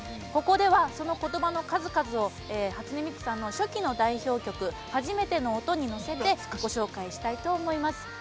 ここではそのことばの数々を初音ミクさんの初期の代表曲「ハジメテノオト」に乗せてご紹介したいと思います。